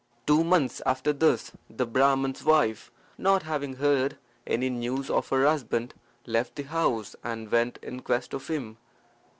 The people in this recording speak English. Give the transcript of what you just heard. Two months after this, the Brahman's wife, not having heard any news of her husband, left the house and went in quest of him.